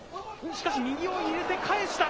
しかし右を入れて返した。